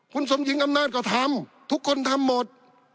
คุณสมหญิงอำนาจก็ทำทุกคนทำหมด